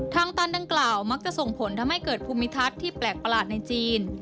ทางตันดังกล่าวมักจะส่งผลทำให้เกิดภูมิทัศน์ที่แปลกประหลาดในจีน